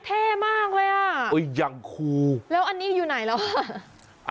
เท่มากเลยอ่ะอย่างครูแล้วอันนี้อยู่ไหนแล้วอ่ะ